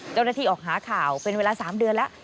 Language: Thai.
เจ้าหน้าที่ออกหาข่าวเป็นเวลา๓เดือนแล้ว